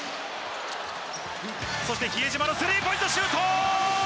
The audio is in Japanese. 比江島のスリーポイントシュート！